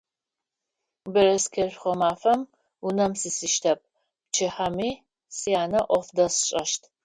Бэрэскэшхо мафэм унэм сисыщтэп, пчыхьэми сянэ ӏоф дэсшӏэщт.